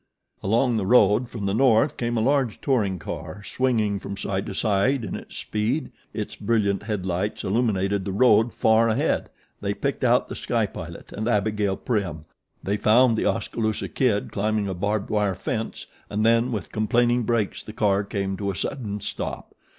Along the road from the north came a large touring car, swinging from side to side in its speed. Its brilliant headlights illuminated the road far ahead. They picked out The Sky Pilot and Abigail Prim, they found The Oskaloosa Kid climbing a barbed wire fence and then with complaining brakes the car came to a sudden stop.